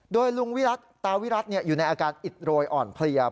โดยลุงวิรัติตาวิรัติอยู่ในอาการอิดโรยอ่อนเพลีย